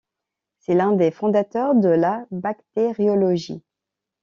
C'est l'un des fondateurs de la bactériologie.